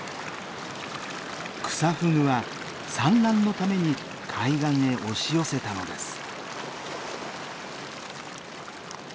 クサフグは産卵のために海岸へ押し寄せたのです。